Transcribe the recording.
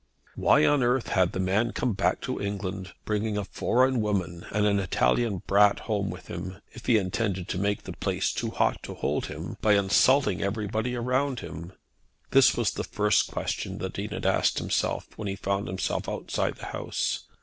Why on earth had the man come back to England, bringing a foreign woman and an Italian brat home with him, if he intended to make the place too hot to hold him by insulting everybody around him? This was the first question the Dean asked himself, when he found himself outside the house.